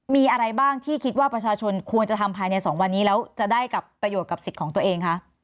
มีอะไรบ้างที่คิดว่าประชาชนควรจะทำภายใน๒วันนี้แล้วจะได้กับประโยชน์กับสิทธิ์ของตัวเองคะ